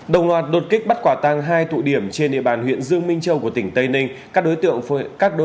đồng loạt đột kích bắt quả tang hai tụ điểm trên địa bàn huyện dương minh châu của tỉnh tây ninh